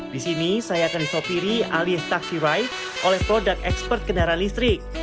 di sini saya akan disopiri alias taksi ride oleh produk ekspert kendaraan listrik